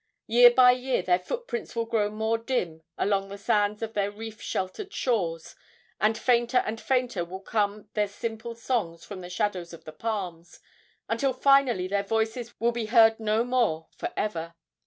Year by year their footprints will grow more dim along the sands of their reef sheltered shores, and fainter and fainter will come their simple songs from the shadows of the palms, until finally their voices will be heard no more for ever.